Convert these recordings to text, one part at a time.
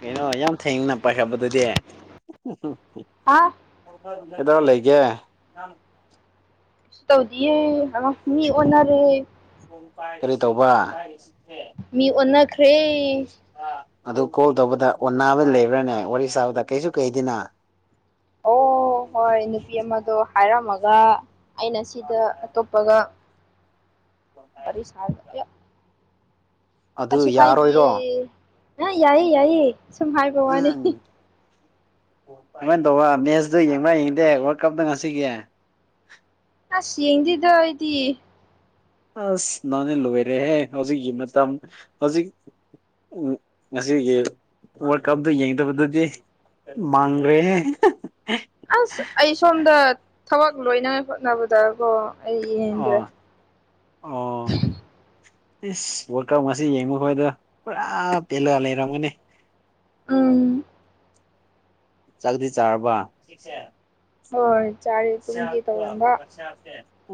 ꯀꯩꯅꯣ ꯌꯥꯝ ꯊꯦꯡꯅ ꯄꯥꯏꯈꯠꯄꯗꯨꯗꯤ ꯑꯥ ꯀꯩꯗꯧꯔ ꯂꯩꯒꯦ ꯀꯩꯁꯨ ꯇꯧꯗꯤꯌꯦ ꯃꯤ ꯑꯣꯟꯅꯔꯦ ꯀꯔꯤ ꯇꯧꯕ ꯃꯤ ꯑꯣꯟꯅꯈ꯭ꯔꯦ ꯑꯗꯨ ꯀꯣꯜ ꯇꯧꯕꯗ ꯑꯣꯟ ꯅꯥꯕ ꯂꯩꯕ꯭ꯔꯥꯅꯦ ꯋꯥꯔꯤ ꯁꯥꯕꯗ ꯀꯩꯁꯨ ꯀꯥꯏꯗꯦꯅ ꯑꯣ ꯍꯣꯏ ꯅꯨꯄꯤ ꯑꯃꯗꯣ ꯍꯥꯏꯔꯝꯃꯒ ꯑꯩꯅ ꯁꯤꯗ ꯑꯇꯣꯞꯄꯒ ꯋꯥꯔꯤ ꯁꯥꯔꯒ ꯑꯌꯣ ꯑꯗꯨ ꯀꯩꯁꯨ ꯀꯥꯏꯗꯤꯌꯦ ꯌꯥꯔꯣꯏꯔꯣ ꯑꯥ ꯌꯥꯏꯌꯦ ꯌꯥꯏꯌꯦ ꯁꯨꯝ ꯍꯥꯏꯕꯋꯥꯅꯤ ꯎꯝ ꯍꯤꯡ [unintelligible] ꯑꯁ ꯌꯦꯡꯗꯦꯗ ꯑꯩꯗꯤ ꯑꯁ ꯅꯪꯗꯤ ꯂꯣꯏꯔꯦꯍꯦ ꯍꯧꯖꯤꯛꯀꯤ ꯃꯇꯝ ꯍꯧꯖꯤꯛ ꯎꯝ ꯉꯁꯤꯒꯤ ꯋꯥꯔ ꯀꯞꯇꯨ ꯌꯦꯡꯗꯕꯗꯨꯗꯤ ꯑꯦ ꯃꯥꯡꯒ꯭ꯔꯦꯍꯦ ꯑꯁ ꯑꯩ ꯁꯣꯝꯗ ꯊꯕꯛ ꯂꯣꯏꯅꯉꯥꯏ ꯍꯣꯠꯅꯕꯗ ꯑꯣ ꯑꯩ ꯌꯦꯡꯗ꯭ꯔꯦ ꯑꯣ ꯑꯣ ꯏꯁ ꯋꯥꯔꯜ ꯀꯞ ꯉꯁꯤ ꯌꯦꯡꯕ ꯈꯣꯏꯗꯣ ꯄꯨꯔꯥ ꯄꯦꯜꯂ ꯂꯩꯔꯝꯒꯅꯤ ꯎꯝ ꯆꯥꯛꯇꯤ ꯆꯥꯔꯕ ꯍꯣꯏ ꯆꯥꯔꯦ ꯇꯨꯝꯒꯦ ꯇꯧꯔꯝꯕ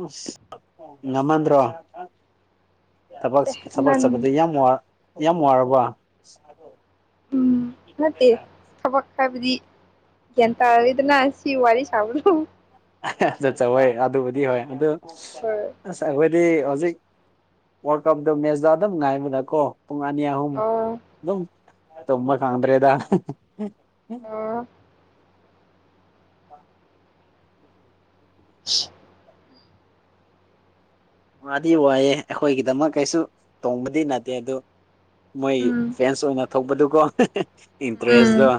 ꯎꯁ ꯑꯥ ꯉꯟꯃꯟꯗ꯭ꯔꯣꯪꯑꯥ ꯑꯥ ꯑꯛ ꯑꯁ ꯊꯕꯛ ꯊꯕꯛ ꯉꯟ ꯆꯠꯄꯗꯨ ꯌꯥꯝ ꯋꯥꯔ ꯌꯥꯝ ꯋꯥꯔꯕꯣ ꯎꯝ ꯅꯠꯇꯦ ꯊꯕꯛ ꯍꯥꯏꯕꯗꯤ ꯒ꯭ꯌꯥꯟ ꯇꯥꯔꯦꯗꯂꯥ ꯁꯤ ꯋꯥꯔꯤ ꯁꯥꯕꯗꯣ ꯍꯝ [unintelligible] [unintelligible] ꯄꯨꯡ ꯑꯅꯤ ꯑꯍꯨꯝ ꯑꯗꯨꯝ ꯇꯨꯝꯕ ꯈꯪꯗ꯭ꯔꯦꯗꯥ ꯍꯥ ꯍꯤꯡ ꯍꯤꯡ [inaudible] [inaudible] ꯋꯥꯗꯤ ꯋꯥꯏꯑꯦ ꯑꯩꯈꯣꯏꯒꯤꯗꯃꯛ ꯀꯩꯁꯨ ꯇꯣꯡꯕꯗꯤ ꯅꯠꯇꯦ ꯑꯗꯨ ꯃꯣꯏ ꯎꯝ ꯐꯦꯟꯁ ꯑꯣꯏꯅ ꯊꯣꯛꯄꯗꯨꯀꯣ ꯍꯤ ꯍꯤ ꯏꯟꯇ꯭ꯔꯦꯁꯇꯣ ꯎꯝ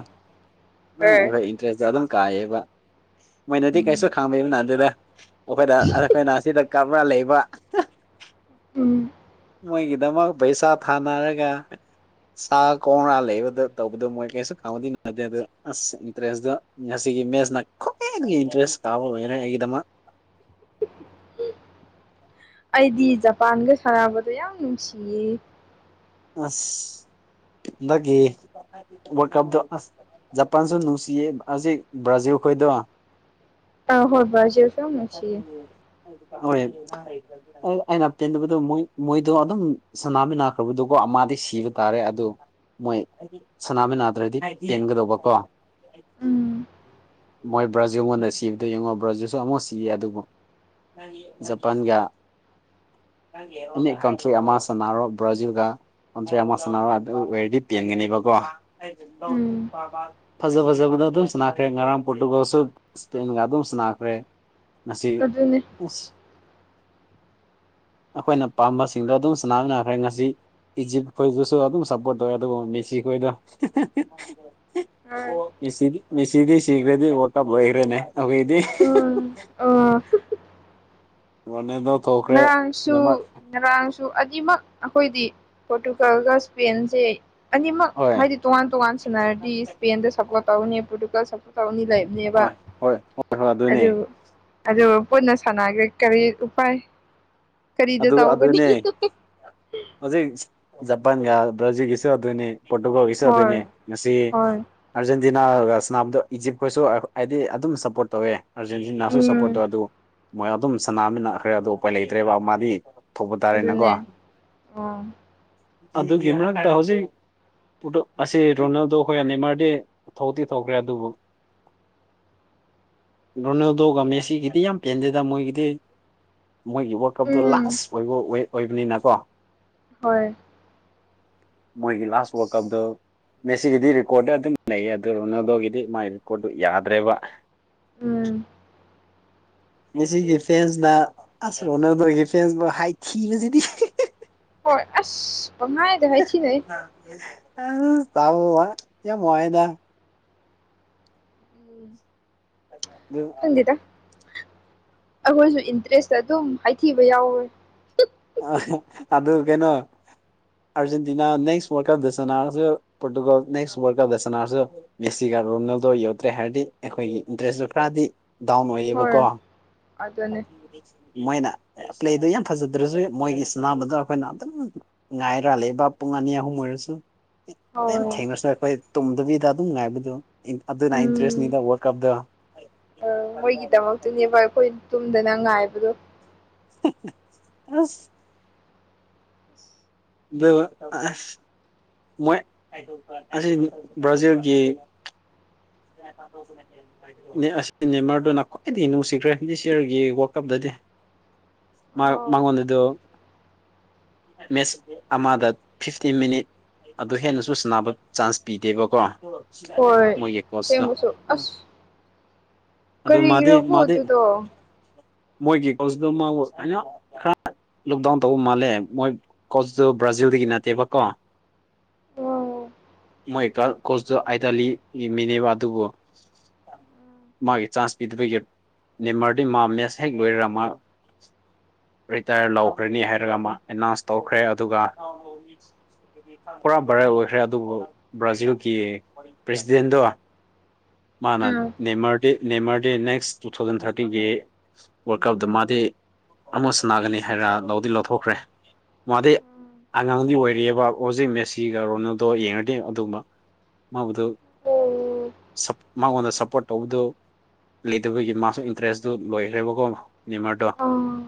ꯅ ꯍꯔ ꯎꯔ ꯏꯟꯇꯔꯦꯁꯇꯣ ꯑꯗꯨꯝ ꯀꯥꯏꯌꯦꯕ ꯃꯣꯏꯅꯗꯤ ꯎꯝ ꯀꯩꯁꯨ ꯈꯪꯕꯤꯕ ꯅꯠꯇꯦꯗ ꯃꯈꯣꯏꯗ ꯑꯩꯈꯣꯏꯅ ꯑꯁꯤꯗ ꯀꯞꯂꯥ ꯂꯩꯕ ꯍꯥ ꯍꯥ [inaudible] ꯃꯣꯏꯒꯤꯗꯃꯛ ꯄꯩꯁꯥ ꯊꯥꯅꯔꯒ ꯁꯥ ꯀꯣꯡꯉꯥ ꯂꯩꯕꯗꯣ ꯇꯧꯕꯗꯣ ꯃꯣꯏ ꯀꯩꯁꯨ ꯈꯥꯎꯕꯗꯤ ꯅꯠꯇꯦ ꯑꯗꯣ ꯑꯁ ꯏꯟꯇꯔꯦꯁꯗꯣ ꯉꯁꯤ ꯒꯤ ꯃꯦꯁꯆꯅ ꯈ꯭ꯋꯥꯏꯒꯤ ꯏꯟꯇꯔꯦꯁ ꯇꯥꯕ ꯑꯣꯏꯔꯦ ꯑꯩꯒꯤꯗꯃꯛ ꯑꯩꯗꯤ ꯖꯄꯥꯟꯒ ꯁꯥꯟꯅꯕꯗꯣ ꯌꯥꯝ ꯅꯨꯡꯁꯤꯌꯦ ꯑꯁ ꯍꯟꯇꯛ ꯀꯤ ꯋꯥꯔꯜ ꯀꯞꯇꯣ ꯑꯁ ꯖꯄꯥꯟꯁꯨ ꯅꯨꯡꯁꯤꯌꯦ ꯍꯧꯖꯤꯛ ꯕꯥꯔꯖꯤꯜ [unintelligible] ꯑꯥ ꯍꯣꯏ ꯕ꯭ꯔꯖꯤꯜꯁꯨ ꯌꯥꯝ ꯅꯨꯁꯤꯌꯦ ꯍꯣꯏ ꯎꯪ ꯑꯩꯅ ꯄꯦꯟꯗꯕꯗꯣ ꯃꯣꯏ ꯃꯣꯏꯗꯣ ꯑꯗꯨꯝ ꯁꯅꯥꯃꯤ ꯅꯥꯈ꯭ꯔꯕꯗꯣ ꯀꯣ ꯑꯃꯗꯤ ꯁꯤꯕ ꯇꯥꯔꯦ ꯑꯗꯨ ꯃꯣꯏ ꯁꯟꯤꯃꯤ ꯅꯥꯗ꯭ꯔꯗꯤ ꯄꯦꯟꯒꯗꯧꯕ ꯀꯣ ꯎꯝ ꯃꯣꯏ ꯕ꯭ꯔꯥꯖꯤꯜꯉꯣꯟꯗ ꯁꯤꯕꯗꯣ ꯌꯦꯡꯉꯣ ꯕ꯭ꯔꯥꯖꯤꯜꯁꯨ ꯑꯃꯨꯛ ꯁꯤꯌꯦ ꯑꯗꯨꯕꯨ ꯖꯄꯥꯟꯒꯥ ꯑꯦꯅꯤ ꯀꯟꯇ꯭ꯔꯤ ꯑꯃ ꯁꯅꯥꯔꯣ ꯕ꯭ꯔꯥꯖꯤꯜꯒ ꯀꯟꯇꯔꯤ ꯑꯃ ꯁꯥꯟꯅꯕ ꯑꯗꯨ ꯑꯣꯏꯔꯗꯤ ꯄꯦꯟꯒꯅꯤꯕꯀꯣ ꯎꯝ ꯐꯖꯥ ꯐꯖꯥ ꯕ ꯗ ꯑꯗꯨꯝꯁꯨ ꯁꯥꯅꯈ꯭ꯔꯦ ꯉꯔꯥꯡ ꯄꯨꯇꯔꯨꯒꯜꯁꯨ ꯁꯄꯦꯟꯒ ꯑꯗꯨꯝ ꯁꯅꯥꯈ꯭ꯔꯦ ꯑꯥꯁꯤ ꯑꯗꯨꯅꯦ ꯑꯩꯈꯣꯏꯅ ꯄꯥꯝꯕꯁꯤꯡꯗꯣ ꯑꯗꯨꯝ ꯁꯥꯟꯅꯃꯤꯟꯅꯈ꯭ꯔꯦ ꯉꯁꯤ ꯏꯖꯤꯞꯇ ꯈꯣꯏꯗꯨꯁꯣ ꯑꯗꯨꯨ ꯁꯄꯣꯠ ꯇꯧꯏ ꯃꯦꯁꯤꯈꯣꯏꯗ ꯍꯣꯏ ꯑꯣ ꯃꯤꯁꯤꯗꯤ ꯃꯤꯁꯤꯗꯤ ꯁꯤꯒ꯭ꯔꯦꯗꯤ ꯋ꯭ꯔꯂ ꯀꯞ ꯂꯣꯏꯈ꯭ꯔꯦꯅꯦ ꯑꯩꯈꯣꯏꯗꯤ ꯑꯣ ꯃꯅꯦꯗ ꯉꯔꯥꯡꯁꯨ ꯉꯔꯥꯡꯁꯨ ꯁꯨ ꯑꯅꯤꯃꯛ ꯑꯩꯈꯣꯏꯗꯤ ꯄꯣꯔꯇꯨꯒꯜꯒ ꯏꯁꯄꯦꯟꯁꯦ ꯑꯅꯤꯃꯛ ꯍꯣꯏ ꯍꯥꯏꯗꯤ ꯇꯣꯉꯥꯟ ꯇꯣꯉꯥꯟ ꯁꯥꯟꯅꯔꯗꯤ ꯏꯁꯄꯦꯟꯗ ꯁꯞꯄꯣꯔꯠ ꯇꯧꯔꯅꯤ ꯄꯣꯔꯇꯨꯒꯜꯗ ꯁꯞꯄꯣꯔꯠ ꯇꯧꯔꯅꯤ ꯂꯩ ꯅꯦꯕ ꯍꯣꯏ ꯍꯣꯏ ꯍꯣꯏ ꯍꯣꯏ ꯑꯗꯨꯅꯦ ꯑꯗꯨ ꯑꯗꯨ ꯄꯨꯟꯅ ꯁꯥꯟꯅꯈ꯭ꯔꯦ ꯀꯔꯤ ꯎꯄꯥꯏ ꯀꯔꯤꯗ ꯑꯗꯨ ꯇꯧꯒꯅꯤ ꯑꯗꯨꯅꯦ ꯍꯧꯖꯤꯛ ꯖꯄꯥꯟꯒ ꯕ꯭ꯔꯥꯖꯤꯜꯒꯤꯁꯨ ꯑꯗꯨꯅꯤ ꯄꯣꯔꯇꯨꯒꯜꯒꯤꯁꯨ ꯍꯣꯏ ꯑꯗꯨꯅꯤ ꯉꯁꯤ ꯍꯣꯏ ꯑꯖ ꯁꯥꯅꯥꯕꯗ ꯏꯖꯤꯞꯈꯣꯏꯁꯨ ꯍꯥꯏꯗꯤ ꯑꯗꯨꯝ ꯁꯞꯄꯣꯔꯠ ꯇꯧꯋꯦ ꯑꯥꯔꯖꯦꯟꯇꯤꯅꯥꯁꯨ ꯁꯞꯄꯣꯔꯠ ꯎꯝ ꯇꯧꯋꯦ ꯑꯗꯨ ꯃꯣꯏ ꯑꯗꯨꯝ ꯁꯅꯥꯃꯤꯟꯅꯈ꯭ꯔꯦ ꯑꯗꯨ ꯎꯄꯥꯏ ꯂꯩꯇ꯭ꯔꯦꯕ ꯃꯥꯗꯤ ꯊꯣꯛꯄ ꯇꯥꯔꯦꯅꯀꯣ ꯑꯗꯨꯅꯦ ꯑ ꯑꯗꯨꯒꯤ ꯃꯔꯛꯇ ꯍꯧꯖꯤꯛ ꯑꯁꯤ ꯔꯣꯅꯥꯜꯗꯣ ꯑꯩꯈꯣꯏ ꯅꯤꯃꯔꯗꯤ ꯊꯣꯛꯇꯤ ꯊꯣꯛꯈ꯭ꯔꯦ ꯑꯗꯨꯕꯨ ꯔꯣꯅꯥꯜꯗꯣꯒ ꯃꯦꯁꯤꯒꯤꯗꯤ ꯌꯥꯝ ꯄꯦꯟꯗꯦꯗ ꯃꯣꯏꯒꯤꯗꯤ ꯃꯣꯏꯒꯤ ꯗ ꯎꯝ ꯂꯥꯁ ꯑꯣꯏꯕ ꯑꯣꯏꯕꯅꯤꯅꯀꯣ ꯍꯣꯏ ꯃꯣꯏꯒꯤ ꯂꯥꯁ ꯋꯔꯂ ꯀꯞꯗꯣ ꯑꯁ ꯃꯦꯁꯤꯒꯤꯗꯤ ꯔꯦꯀꯣꯔꯠꯇ ꯑꯗꯨꯝ ꯂꯩꯌꯦ ꯑꯗꯨ ꯔꯣꯅꯥꯗꯣꯒꯤꯗꯤ ꯃꯥꯒꯤ ꯔꯦꯀꯣꯔꯠꯇꯣ ꯌꯥꯗ꯭ꯔꯦꯕ ꯎꯝ ꯃꯦꯁꯤꯒꯤ ꯐꯦꯟꯁꯅ ꯑꯁ ꯔꯣꯅꯜꯗꯣꯒꯤ ꯐꯦꯟꯁꯕꯨ ꯍꯥꯏꯊꯤꯕꯁꯤꯗꯤ ꯍꯣꯏ ꯑꯁ ꯄꯪꯍꯥꯏꯗ ꯍꯥꯏ ꯊꯤꯅꯩ ꯑ ꯇꯕ ꯌꯥꯝ ꯋꯥꯏꯌꯦꯗ ꯎꯝ ꯈꯪꯗꯦꯗ [inaudible] ꯑꯩꯈꯣꯏꯁꯨ ꯏꯟꯇꯔꯦꯁꯇ ꯑꯗꯨꯝ ꯍꯥꯏꯊꯤꯕ ꯌꯥꯎꯋꯦ ꯑ ꯑꯗꯨ ꯀꯩꯅꯣ ꯑꯔꯖꯦꯟꯇꯤꯅꯥ ꯅꯦꯛꯁ ꯋꯥꯔꯂꯀꯞꯇ ꯁꯅꯔꯁꯨ ꯄꯣꯔꯇꯨꯒꯜ ꯅꯦꯛꯁ ꯋꯥꯔꯂꯀꯞꯇ ꯁꯥꯅꯔꯣ ꯃꯦꯁꯤꯒ ꯔꯣꯅꯥꯜꯗꯣ ꯌꯧꯗ꯭ꯔꯦ ꯍꯥꯏꯔꯗꯤ ꯑꯩꯈꯣꯏꯒꯤ ꯏꯟꯇꯔꯦꯁꯇꯨ ꯈꯔꯗꯤ ꯗꯥꯎꯟ ꯑꯣꯏꯌꯦꯕꯀꯣ ꯍꯣꯏ ꯑꯗꯨꯅꯦ ꯃꯣꯏꯅ ꯄ꯭ꯂꯦꯗꯣ ꯌꯥꯝ ꯐꯖ ꯑꯗꯨꯗꯁꯨ ꯃꯣꯏꯒꯤ ꯁꯅꯥꯅꯕꯗꯣ ꯑꯩꯈꯣꯏꯅ ꯑꯗꯨꯝ ꯉꯥꯏꯔ ꯂꯩꯕ ꯄꯨꯡ ꯑꯅꯤ ꯑꯍꯨꯝ ꯑꯣꯏꯔꯁꯨ ꯌꯥꯝ ꯍꯣꯏ ꯊꯦꯡꯔꯁꯨ ꯑꯩꯈꯣꯏ ꯇꯨꯝꯗꯕꯤꯗ ꯑꯗꯨꯝ ꯉꯥꯏꯕꯗꯣ ꯑꯗꯨꯅ ꯎꯝ ꯏꯟꯇ꯭ꯔꯦꯁꯅꯤꯗ ꯋꯥꯔꯂꯀꯞꯇꯣ ꯑ ꯃꯣꯏꯒꯤꯗꯃꯛꯇꯅꯦꯕ ꯑꯩꯈꯣꯏ ꯇꯨꯝꯗꯅ ꯉꯥꯏꯕꯗꯣ ꯑꯁ [inaudible] ꯃꯣꯏ ꯑꯁꯤ ꯕ꯭ꯔꯥꯖꯤꯜꯒꯤ ꯑꯁꯤ ꯅꯦꯃꯔꯗꯨꯅ ꯈ꯭ꯋꯥꯏꯗꯒꯤ ꯅꯨꯡꯁꯤꯈ꯭ꯔꯦ ꯗꯤꯁ ꯌꯔꯒꯤ ꯋꯥꯔꯜ ꯀꯞꯇꯗꯤ ꯃ ꯑꯥꯎ ꯃꯉꯣꯟꯗꯗꯨꯗꯣ ꯃꯦꯠꯆ ꯑꯃꯗ ꯐꯤꯐꯇꯤ ꯃꯤꯅꯤꯠ ꯑꯗꯨ ꯍꯦꯟꯅꯁꯨ ꯁꯅꯕ ꯆꯥꯟꯁ ꯄꯤꯗꯦꯕꯀꯣ ꯃꯣꯏꯒꯤ ꯑꯥꯁꯦꯡꯕꯁꯨ ꯑꯁ ꯑꯗꯣ ꯃꯥꯗꯤ ꯀꯔꯤꯒꯤꯔꯀꯣ ꯃꯥꯗꯤ ꯑꯗꯨꯗꯣ ꯃꯣꯏꯒꯤ [unintelligible] [unintelligible] ꯂꯣꯛꯗꯥꯎꯟ ꯇꯧꯕ ꯥꯃꯥꯜꯂꯦ ꯃꯣꯏ ꯀꯣꯆꯇꯣ ꯕ꯭ꯔꯥꯖꯤꯜꯗꯒꯤ ꯅꯠꯇꯦꯕꯥ ꯀꯣ ꯑꯣ ꯃꯣꯏ ꯀꯜ ꯀꯣꯔꯆ ꯇꯣ ꯑꯥꯏꯇꯥꯂꯤꯒꯤ ꯃꯤꯅꯦꯕꯥ ꯑꯗꯨꯕꯣ ꯃꯥꯒꯤ ꯆꯥꯖ ꯞꯤꯗꯕꯒꯤ ꯅꯦꯃꯥꯔꯗꯤ ꯃꯥꯝꯂꯦꯁ ꯍꯦꯛ ꯂꯣꯏꯔꯃꯥ [unintelligible] ꯔꯤꯇꯥꯌꯔ ꯂꯧꯈ꯭ꯔꯅꯤ ꯍꯥꯏꯔꯒ ꯑꯃꯥ ꯑꯦꯅꯥꯎꯟꯁ ꯇꯧꯈ꯭ꯔꯦ ꯑꯗꯨꯒꯥ ꯄꯨꯔꯥ ꯕꯦꯔꯥ ꯑꯣꯏꯈ꯭ꯔꯦ ꯑꯗꯨꯕꯨ ꯕ꯭ꯔꯥꯖꯤꯜꯒꯤ ꯄ꯭ꯔꯦꯁ ꯆꯦꯟꯗꯣ ꯃꯥꯅ ꯎꯝ ꯅꯦꯃꯥꯔ [unintelligible] ꯑꯦꯛ ꯅꯦꯃꯥꯔ ꯗꯤ ꯅꯦꯛꯁ ꯇꯨ ꯊꯧꯖꯟ ꯊꯥꯔꯇꯤꯟꯒꯤ ꯋꯥꯔꯜ ꯀꯞꯇꯥ ꯃꯥꯘꯤ ꯑꯃꯨꯨꯛ ꯁꯥꯟꯅꯥꯒꯅꯤ ꯍꯥꯏꯔ ꯥ ꯂꯧꯗꯤ ꯂꯧꯊꯣꯛꯈ꯭ꯔꯦ꯫ ꯃꯥꯗꯤ ꯑꯉꯥꯡꯗꯤ ꯑꯣꯏꯔꯤꯑꯦꯕ ꯥꯍꯧꯖꯤꯛ ꯃꯦꯁꯤꯒ ꯥꯔꯣꯅꯥꯜꯗꯣ ꯌꯦꯡꯉꯗꯤ ꯑꯗꯨꯒꯨꯝꯕꯥ ꯃꯥꯕꯨꯗꯨ ꯑꯣ ꯁꯞ ꯃꯉꯣꯟꯗꯥ ꯁꯞꯄꯣꯔꯠ ꯇꯧꯕꯗꯨ ꯂꯩꯇꯕꯒꯤ ꯃꯥꯁꯨ ꯏꯟꯇ꯭ꯔꯦꯁꯇꯨ ꯂꯣꯏꯈ꯭ꯔꯦꯕꯀꯣ ꯅꯦꯃꯥꯔꯗꯣ ꯑꯥ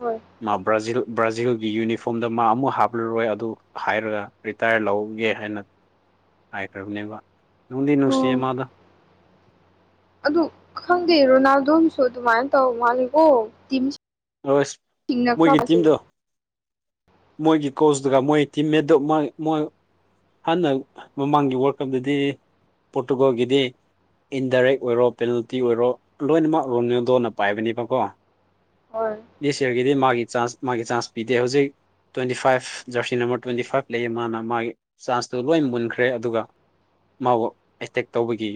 ꯍꯣꯏ ꯃꯥ ꯕ꯭ꯔꯥꯖꯤꯜ ꯕ꯭ꯔꯥꯖꯤꯜꯒꯤ ꯌꯨꯅꯤꯐꯣꯔꯝꯗꯥ ꯃꯥ ꯑꯃꯨꯛ ꯍꯥꯞꯂꯨꯔꯣꯏ ꯑꯗꯨ ꯍꯥꯏꯔꯒꯥ ꯔꯤꯇ꯭ꯌꯥꯔ ꯂꯧꯒꯦ ꯍꯥꯏꯅꯥ ꯍꯥꯏꯈ꯭ꯔꯕꯅꯦꯕꯥ ꯅꯨꯡꯗꯤ ꯅꯨꯡꯁꯤ ꯑꯣ ꯃꯥꯗꯣ ꯑꯗꯨ ꯈꯪꯗꯦ ꯔꯣꯅꯥꯜꯗꯣꯒꯤꯁꯨ ꯑꯗꯨꯃꯥꯏꯅꯥ ꯇꯧ ꯃꯥꯜꯂꯤꯀꯣ ꯇꯤꯝ ꯍꯣꯏꯁ ꯃꯣꯏꯒꯤ ꯇꯤꯝꯗꯣ ꯃꯣꯏꯒꯤ ꯀꯣꯆꯗꯨꯒꯥ ꯃꯣꯏ ꯇꯤꯝ ꯃꯣꯏ ꯃꯣꯏ ꯍꯥꯟꯅꯥ ꯃꯃꯥꯡꯒꯤ ꯋꯥꯔꯜ ꯀꯞꯇꯗꯤ ꯄꯣꯔꯇꯨꯒꯜꯒꯤꯗꯤ ꯏꯟꯗꯥꯏꯔꯦꯛ ꯑꯣꯏꯔꯣ ꯄꯦꯅꯥꯜꯇꯤ ꯑꯣꯏꯔꯣ ꯂꯣꯏꯅꯃꯛ ꯔꯣꯅꯦꯜꯗꯣꯅꯥ ꯄꯥꯏꯕꯅꯦꯕꯀꯣ ꯍꯣꯏ ꯗꯤꯁ ꯌꯔꯒꯤꯗꯤ ꯃꯥꯒꯤ ꯆꯥꯟꯖ ꯃꯥꯒꯤ ꯆꯥꯟꯖ ꯄꯤꯗꯦ ꯍꯧꯖꯤꯛ twenty five jersey number twenty five ꯂꯩꯌꯦ ꯃꯥꯅꯥ ꯃꯥꯒꯤ ꯆꯥꯟꯖ ꯇꯨ ꯂꯣꯏ ꯃꯨꯟꯈ꯭ꯔꯦ ꯑꯗꯨꯒꯥ ꯃꯥꯕꯨ ꯑꯦꯇꯦꯛ ꯇꯧꯕꯒꯤ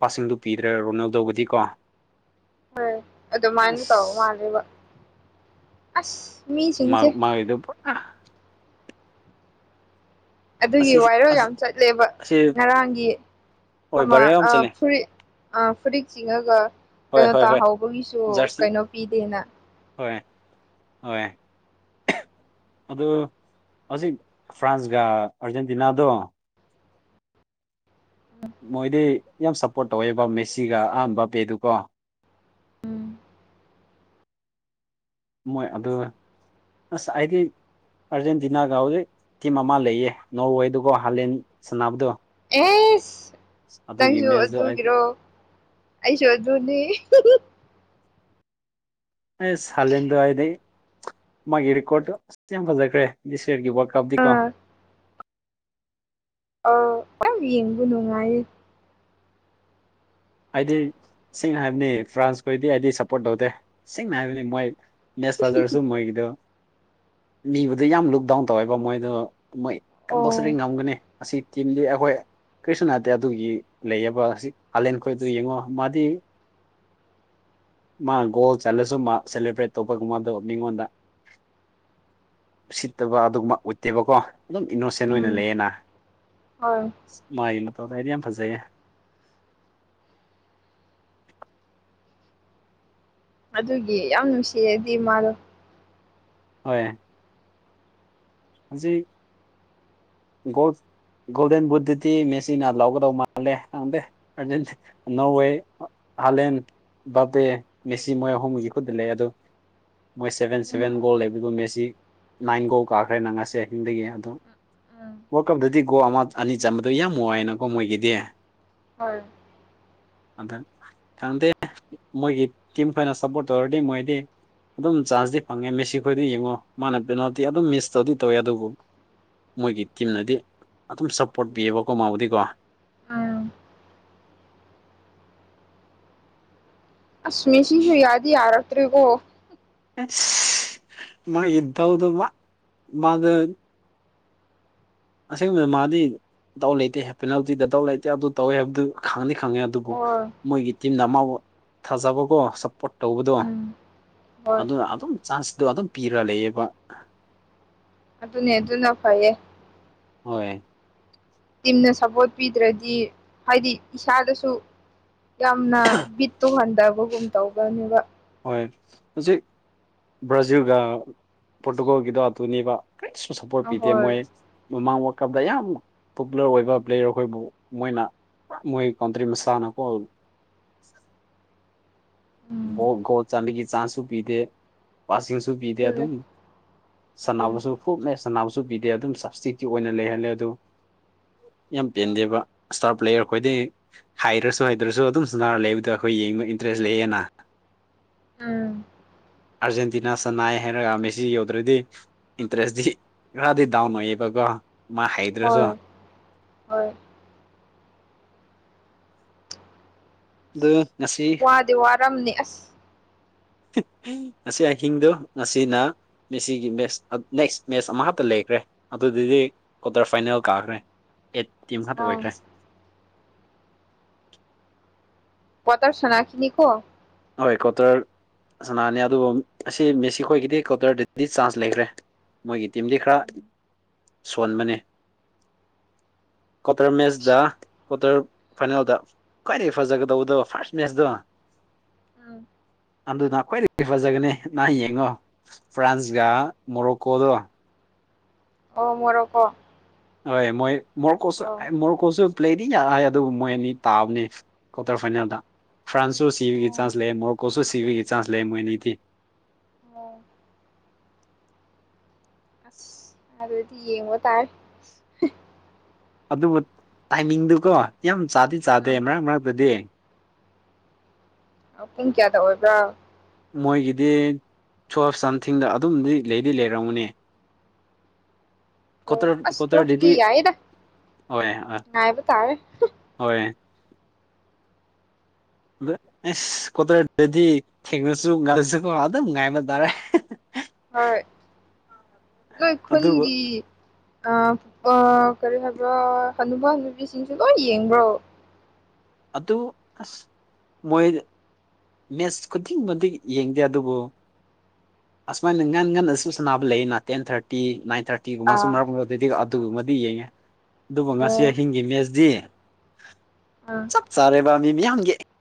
ꯄꯥꯁꯤꯡꯗꯣ ꯄꯤꯗ꯭ꯔꯦ ꯔꯣꯅꯥꯜꯗꯣꯕꯨꯗꯤꯀꯣ ꯍꯣꯏ ꯑꯗꯨꯃꯥꯏꯅꯥ ꯇꯧ ꯑꯁ ꯃꯥꯜꯂꯤꯕꯥ ꯑꯥꯁ ꯃꯤ ꯁꯤꯡꯁꯦ ꯑꯥ ꯑꯗꯨꯒꯤ ꯑꯁꯤ ꯚꯥꯏꯔꯦꯜ ꯌꯥꯝ ꯆꯠꯂꯦꯕꯥ ꯑꯁꯤ ꯉꯔꯥꯡꯒꯤ ꯍꯣꯏ ꯑꯃꯥ ꯕꯥꯔꯦꯜ ꯌꯥꯝ ꯑꯥ ꯆꯠꯂꯦ ꯐꯨꯔꯤꯠ ꯑꯥ ꯐꯨꯔꯤꯠ ꯆꯤꯡꯉꯒꯥ ꯍꯣꯏ ꯀꯩꯅꯣ ꯍꯣꯏ ꯍꯣꯏ ꯇꯥꯍꯧꯕꯒꯤꯁꯨ ꯀꯩꯅꯣ ꯄꯤꯗꯦꯅꯥ ꯍꯣꯋꯦ ꯍꯣꯋꯦ ꯑꯗꯨ ꯍꯧꯖꯤꯛ ꯐ꯭ꯔꯥꯟꯁꯒꯥ ꯑꯥꯔꯖꯦꯟꯇꯤꯅꯥꯗꯣ ꯃꯣꯏꯗꯤ ꯌꯥꯝ ꯁꯞꯄꯣꯔꯠ ꯇꯧꯋꯦꯕꯥ ꯃꯦꯁꯤꯒꯥ ꯑꯍꯥꯟꯕꯥ ꯄꯦꯗꯨꯀꯣ ꯃꯣꯏ ꯑꯗꯨ ꯑꯥꯁ ꯑꯩꯗꯤ ꯑꯥꯔꯖꯦꯟꯇꯤꯅꯥꯒ ꯍꯧꯖꯤꯛ ꯇꯤꯝ ꯑꯃꯥ ꯂꯩꯌꯦ ꯅꯣꯔꯋꯦꯗꯨꯒꯥ ꯍꯥꯂꯦꯟ ꯁꯥꯟꯅꯕꯗꯣ ꯏꯁ ꯑꯗꯨꯒꯤ ꯅꯪꯖꯨ ꯃꯦꯠꯁꯇꯣ ꯑꯩꯗꯤ ꯑꯗꯨꯒꯤꯔꯣ ꯑꯩꯖꯨ ꯑꯗꯨꯅꯤ ꯍꯨ ꯍꯨ [inaudible] ꯑꯦꯁ ꯍꯥꯂꯤꯟꯗꯣ ꯑꯩꯗꯤ ꯃꯥꯒꯤ ꯔꯤꯀꯣꯔꯠꯇꯣ ꯑꯥꯁ ꯊꯤꯅꯥ ꯐꯖꯈ꯭ꯔꯦ꯫ ꯔꯒꯤ ꯋꯥꯔꯜ ꯀꯞꯇꯤ ꯀꯣ ꯑꯣ ꯌꯥꯝ ꯌꯦꯡꯕꯥ ꯅꯨꯡꯉꯥꯏꯌꯦ ꯑꯩꯗꯤ ꯁꯦꯡꯅꯥ ꯍꯥꯏꯕꯅꯤ ꯐ꯭ꯔꯥꯟꯁ ꯈꯣꯏꯗꯤ ꯑꯩꯗꯤ ꯁꯞꯄꯣꯔꯠ ꯇꯧꯗꯦ ꯁꯦꯡꯅꯥ ꯍꯥꯏꯕꯅꯤ ꯃꯣꯏ ꯃꯦꯁ ꯐꯖꯔꯁꯨ ꯃꯣꯏꯒꯤꯗꯣ ꯃꯤꯕꯨꯗꯤ ꯌꯥꯝ ꯂꯨꯛ ꯗꯥꯎꯟ ꯇꯧꯋꯦꯕꯥ ꯃꯣꯏꯗꯣ ꯃꯣꯏ ꯀꯝꯄꯜꯁꯥꯔꯤ ꯑꯣ ꯉꯝꯒꯅꯤ ꯑꯥꯁꯤ ꯇꯤꯝꯗꯤ ꯑꯩꯈꯣꯏ ꯀꯔꯤꯁꯨ ꯅꯠꯇꯦ ꯑꯗꯨꯒꯤ ꯂꯩꯌꯦꯕꯥ ꯍꯖꯤꯛ ꯍꯥꯂꯦꯟ ꯑꯩꯈꯣꯏ ꯑꯗꯨ ꯌꯦꯡꯉꯣ ꯃꯥꯗꯤ ꯃꯅꯥ ꯒꯣꯜ ꯆꯜꯂꯁꯨꯨ ꯃꯥ ꯁꯦꯂꯕ꯭ꯔꯦꯠ ꯇꯧꯕ ꯑꯗꯨ ꯃꯤꯉꯣꯟꯗ ꯎꯁꯤꯠꯇꯕ ꯑꯗꯨꯒꯨꯝꯕ ꯎꯠꯇꯦꯕꯀꯣ ꯑꯗꯨꯝ ꯏꯅꯣꯁꯦꯟ ꯑꯣꯏꯅ ꯎꯝ ꯂꯩꯌꯦꯅ ꯍꯣꯏ ꯃꯥꯒꯤ ꯇꯧꯗ ꯍꯥꯏꯗꯤ ꯌꯥꯝ ꯐꯖꯩꯌꯦ ꯑꯗꯨꯒꯤ ꯌꯥꯝ ꯅꯨꯡꯁꯤꯌꯦꯗꯤ ꯃꯥꯗꯣ ꯍꯣꯏ ꯍꯧꯖꯤꯛ ꯒꯣꯜ ꯒꯣꯜꯗꯦꯟ ꯕꯨꯠꯇꯗꯤ ꯃꯦꯁꯤꯅꯥ ꯂꯧꯒꯗꯧ ꯃꯥꯜꯂꯦ ꯈꯪꯗꯦ ꯑꯔꯖꯦꯇꯤ ꯅꯣꯔꯋꯦ ꯍꯂꯦꯟ ꯕꯥꯄꯦ ꯃꯦꯁꯤ ꯃꯣꯏ ꯑꯍꯨꯝꯒꯤ ꯈꯨꯠꯇ ꯂꯩꯌꯦ ꯑꯗꯣ ꯃꯣꯏ ꯁꯚꯦꯟ ꯁꯚꯦꯟ ꯎꯝ ꯒꯣꯜ ꯂꯩꯕꯗꯨ ꯃꯦꯁꯤ ꯅꯥꯏꯟ ꯒꯣꯜ ꯀꯥ ꯑꯩꯅ ꯉꯁꯤ ꯑꯍꯤꯡꯗꯒꯤ ꯑꯗꯨꯝ ꯎꯝ ꯋꯥꯔꯜ ꯀꯞꯇꯗꯤ ꯒꯣꯜ ꯑꯃ ꯑꯅꯤ ꯆꯝꯕꯗꯨ ꯌꯥꯝ ꯋꯥꯏꯌꯦꯅꯀꯣ ꯃꯣꯏꯒꯤꯗꯤ ꯍꯣꯏ ꯑꯗ ꯈꯪꯗꯦ ꯃꯣꯏꯒꯤ ꯇꯤꯝꯈꯩꯅ ꯁꯞꯄꯣꯔꯠ ꯇꯧꯔꯗꯤ ꯃꯣꯏꯗꯤ ꯑꯗꯨꯝ ꯆꯥꯟꯁꯇꯤ ꯐꯪꯉꯦ ꯃꯤꯁꯤ ꯑꯩꯈꯣꯏꯗꯤ ꯌꯦꯡꯉꯣ ꯃꯥꯅ ꯄꯦꯅꯥꯜꯇꯤ ꯑꯗꯨꯝ ꯃꯤꯁ ꯇꯧꯗꯤ ꯇꯧꯋꯦ ꯑꯗꯨꯕꯨ ꯃꯣꯏꯒꯤ ꯇꯤꯝꯅꯗꯤ ꯑꯗꯨꯝ ꯁꯞꯄꯣꯔꯠ ꯄꯤꯑꯕꯀꯣ ꯃꯥꯕꯨꯗꯤꯀꯣ ꯎꯝ [inaudible] ꯑꯁꯃꯤꯁꯤꯁꯨ ꯌꯥꯗꯤ ꯌꯥꯔꯛꯇ꯭ꯔꯦꯀꯣ ꯑꯁ ꯃꯣꯏꯒꯤ ꯗꯧꯗꯧꯕ ꯃꯥꯗꯣ ꯑꯁꯦꯡꯕꯗ ꯃꯥꯗꯤ ꯇꯧ ꯂꯩꯇꯦ ꯄꯦꯅꯥꯜꯇꯤꯗ ꯗꯥꯎ ꯂꯩꯇꯦ ꯑꯗꯨ ꯇꯧꯋꯦ ꯍꯥꯏꯕꯗꯨ ꯈꯪ ꯈꯪꯉꯦ ꯑꯗꯨꯕꯨ ꯍꯣꯏ ꯃꯣꯏꯒꯤ ꯇꯤꯝꯅ ꯑꯃꯕꯨ ꯊꯥꯖꯕꯀꯣ ꯁꯞꯄꯣꯔꯠ ꯇꯧꯕꯗꯣ ꯎꯝ ꯍꯣꯏ ꯑꯗꯨꯅ ꯑꯗꯨꯝ ꯆꯥꯟꯁꯇꯣ ꯑꯗꯨꯝ ꯄꯤꯔ ꯂꯩꯌꯦꯕ ꯑꯗꯨꯅꯦ ꯑꯗꯨꯅ ꯐꯥꯏꯌꯦ ꯍꯣꯏ ꯇꯤꯝꯅ ꯁꯄꯣꯔꯠ ꯄꯤꯗ꯭ꯔꯗꯤ ꯍꯥꯏꯗꯤ ꯏꯁꯥꯗꯁꯨ ꯌꯥꯝꯅ ꯕꯤꯠꯇꯨ ꯍꯟꯗꯕꯒꯨꯝ ꯇꯧꯕꯅꯦꯕ ꯍꯣꯏ ꯍꯧꯖꯤꯛ ꯕ꯭ꯔꯥꯖꯤꯜꯒ ꯄꯣꯔꯇꯨꯒꯜꯒꯤꯗꯣ ꯑꯗꯨꯅꯦꯕ ꯀꯔꯤꯁꯨ ꯁꯄꯣꯔꯠ ꯄꯤꯗ ꯃꯣꯏ ꯑꯍꯣꯏ ꯃꯃꯥꯡ ꯋꯥꯜ ꯀꯞꯗ ꯌꯥꯝ ꯄꯣꯄꯨꯂꯔ ꯑꯣꯏꯕ ꯄ꯭ꯂꯦꯌꯔ ꯑꯩꯈꯣꯏꯕꯨ ꯃꯣꯏꯅ ꯃꯣꯏ ꯀꯥꯎꯟꯇ꯭ꯔꯤ ꯃꯁꯥꯟꯅꯀꯣ ꯎꯝ ꯒꯣꯜ ꯆꯥꯟꯕꯒꯤ ꯆꯥꯟꯁꯁꯨ ꯄꯤꯗꯦ ꯄꯥꯁꯌꯨꯁꯨ ꯄꯤꯗꯦ ꯑꯗꯨꯝ ꯑꯗꯨꯅꯦ ꯑꯗꯨꯅꯦ ꯁꯥꯟꯅꯕꯁꯨ ꯐꯨꯜꯃꯦꯁ ꯁꯅꯥꯕꯨꯁꯨ ꯄꯤꯗꯦ ꯑꯗꯨꯝ ꯁꯞꯇꯤꯛꯀꯤ ꯑꯣꯏꯅ ꯂꯩꯍꯜꯂꯦ ꯑꯗꯨ ꯌꯥꯝ ꯄꯦꯟꯗꯦꯕ ꯏꯁꯇꯥꯔ ꯄ꯭ꯂꯦꯌꯔ ꯈꯣꯏꯗꯤꯩ ꯍꯥꯏꯔꯁꯨ ꯍꯥꯏꯗ꯭ꯔꯁꯨ ꯑꯗꯨꯝꯁꯨ ꯅꯥꯔ ꯂꯩꯕꯗ ꯑꯩꯈꯣꯏ ꯌꯦꯡꯕ ꯏꯟꯇꯔꯦꯁ ꯂꯩꯌꯦꯅ ꯎꯝ ꯑꯥꯔꯖꯦꯟꯇꯤꯅꯥ ꯁꯟꯅꯥꯏ ꯍꯥꯏꯔꯒ ꯃꯦꯁꯤ ꯌꯧꯗ꯭ꯔꯗꯤ ꯏꯟꯇꯔꯦꯁꯇꯤ ꯈꯔꯗꯤ ꯗꯥꯎꯟ ꯑꯣꯏꯌꯦꯕꯀꯣ ꯃꯥ ꯍꯩꯇ꯭ꯔꯁꯨ ꯍꯣꯏ ꯍꯣꯏ ꯑꯗꯨ ꯉꯁꯤ ꯔꯝꯅꯤ ꯑꯁ ꯉꯁꯤ ꯑꯍꯤꯡꯗꯣ ꯉꯁꯤꯅ ꯃꯦꯁꯤꯒꯤ ꯃꯦꯁ ꯂꯩ ꯃꯦꯁ ꯑꯃ ꯈꯛꯇ ꯂꯩ ꯔꯦ ꯑꯗꯨꯗꯨꯗꯤ ꯀ꯭ꯋꯥꯇꯔ ꯐꯥꯏꯅꯦꯜ ꯀꯥꯈ꯭ꯔꯦ ꯑꯦ ꯇꯤꯝ ꯈꯛ ꯑꯥ ꯑꯣꯏꯈ꯭ꯔꯦ ꯀ꯭ꯋꯥꯇꯔ ꯁꯥꯅꯈꯤꯅꯤꯀꯣ ꯍꯣꯏ ꯀ꯭ꯋꯥꯇꯔ ꯁꯥꯅꯅꯤ ꯑꯗꯨꯒ ꯑꯁꯤ ꯃꯦꯁꯤ ꯈꯣꯏꯒꯤꯗꯤ ꯀ꯭ꯋꯥꯇꯔꯗꯗꯤ ꯆꯥꯟꯁ ꯂꯩꯈ꯭ꯔꯦ ꯃꯣꯏꯒꯤ ꯇꯤꯝꯗꯤ ꯈꯔ ꯎꯝ ꯁꯣꯟꯕꯅꯦ ꯀ꯭ꯋꯥꯇꯔ ꯃꯦꯠꯁꯗ ꯀ꯭ꯋꯥꯇꯔ ꯐꯥꯏꯅꯦꯜꯗ ꯈ꯭ꯋꯥꯏꯗꯒꯤ ꯐꯖꯒꯗꯧꯕꯗꯣ ꯐꯥꯔꯁ ꯃꯦꯁꯇꯣ ꯎꯝ [inaudible] ꯑꯗꯨꯅ ꯈ꯭ꯋꯥꯏꯗꯒꯤ ꯐꯖꯒꯅꯤ ꯅ ꯌꯦꯡꯉꯣ ꯐ꯭ꯔꯥꯟꯁꯒ ꯃꯣꯔꯣꯛꯀꯣꯗꯣ ꯑꯣ ꯃꯣꯔꯣꯀꯣ ꯍꯣꯢ ꯃꯣꯏ ꯃꯣꯔꯣꯀꯣꯁꯨ ꯑꯣ ꯃꯣꯔꯣꯀꯣꯁꯨ ꯄ꯭ꯂꯦꯗꯤ ꯌꯥꯢ ꯑꯗꯨꯕꯨ ꯃꯣꯏ ꯑꯅꯤ ꯇꯥꯕꯅꯦ ꯀ꯭ꯋꯥꯇꯔ ꯐꯥꯏꯅꯦꯜꯗ ꯐ꯭ꯔꯥꯟꯁꯨ ꯁꯤꯕꯒꯤ ꯑꯣ ꯆꯥꯟꯁ ꯂꯩꯌꯦ ꯃꯣꯔꯣꯀꯣꯁꯨ ꯁꯤꯕꯒꯤ ꯆꯥꯟꯁ ꯂꯩꯌꯦ ꯃꯣꯏꯅꯤꯗꯤ ꯑꯣ ꯑꯁ ꯑꯗꯨꯗꯤ ꯌꯦꯡꯕ ꯇꯥꯔꯦ ꯑꯗꯨꯕꯨ ꯇꯥꯏꯃꯤꯡꯗꯨꯀꯣ ꯌꯥꯝ ꯆꯥꯗꯤ ꯆꯥꯗꯦ ꯎꯝ ꯃꯔꯛ ꯃꯔꯛꯇꯗꯤ ꯄꯨꯡ ꯀꯌꯥꯗ ꯑꯣꯏꯕ꯭ꯔ ꯃꯣꯏꯒꯤꯗꯤ [unintelligible] ꯁꯝꯊꯤꯡꯗ ꯑꯗꯨꯝꯗꯤ ꯂꯩꯗꯤ ꯂꯩꯔꯝꯒꯅꯤ ꯀ꯭ꯋꯥꯇꯔ ꯑꯁ ꯇ꯭ꯋꯦꯞꯇꯤ ꯀ꯭ꯋꯥꯇꯔꯗꯗꯤ ꯌꯥꯏꯑꯦꯗ ꯍꯣꯏ ꯑ ꯉꯥꯢꯕ ꯇꯥꯔꯦ ꯍꯣꯏ ꯑ ꯑꯦꯁ ꯀ꯭ꯋꯥꯇꯔꯗꯗꯤ ꯊꯦꯡꯔꯁꯨ ꯉꯟꯂꯁꯨ ꯀꫭ ꯑꯗꯨꯝ ꯉꯥꯏꯕ ꯇꯥꯔꯦ ꯍꯣꯏ ꯅꯣꯏ ꯑꯗꯨꯕꯨ ꯈꯨꯟꯒꯤ ꯑ ꯀꯔꯤ ꯍꯥꯏꯕ꯭ꯔ ꯍꯅꯨꯕ ꯍꯅꯨꯕꯤꯁꯤꯡꯁꯨ ꯂꯣꯏ ꯌꯦꯡꯕ꯭ꯔꯣ ꯑꯗꯨ ꯑꯁ ꯃꯣꯏ ꯃꯦꯠꯁ ꯈꯨꯗꯤꯡ ꯃꯗꯤ ꯌꯦꯡꯗꯦ ꯑꯗꯨꯕꯨ ꯑꯁꯨꯃꯥꯏꯅ ꯉꯟ ꯉꯟꯅꯁꯨ ꯁꯥꯟꯅꯕ ꯂꯩꯌꯦꯅ ꯇꯦꯟ ꯊꯥꯔꯇꯤ ꯅꯥꯏꯟ ꯊꯥꯔꯇꯤꯒꯨꯝꯕ ꯁꯨꯝ ꯑꯥ ꯃꯔꯛ ꯑꯗꯨꯗꯤ ꯑꯗꯨꯒꯨꯝꯕꯗꯤ ꯌꯦꯡꯉꯦ ꯑꯗꯨꯕꯨ ꯉꯁꯤ ꯑꯣ ꯑꯍꯤꯡꯒꯤ ꯃꯦꯁꯗꯤ ꯑꯥ ꯆꯞ ꯆꯥꯔꯦꯕ ꯃꯤ ꯃꯌꯥꯝꯒꯤ